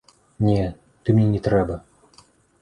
Не, ты мне не трэба.